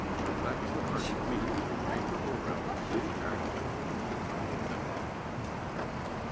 That is the party, me, Major Orwell, Lady Farrington, and Uncle and Aunt.